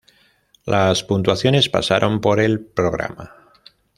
Las puntuaciones pasaron por el programa.